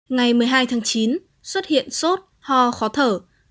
ngày một mươi hai tháng chín xuất hiện sốt ho khó thở